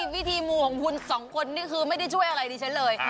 วิธีมูของคุณสองคนนี่คือไม่ได้ช่วยอะไรดิฉันเลย